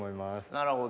なるほど。